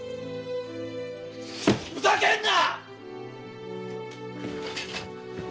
ふざけんな！